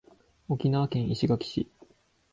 沖縄県石垣市